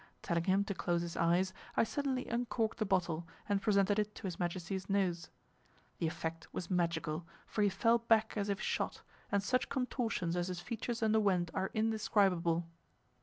Telling him to close his eyes, I suddenly uncorked the bottle, and presented it to His Majesty's nose. The effect was magical, for he fell back as if shot, and such contortions as his features underwent are indescribable.